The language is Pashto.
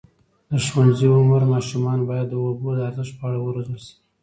د ښوونځي عمر ماشومان باید د اوبو د ارزښت په اړه وروزل شي.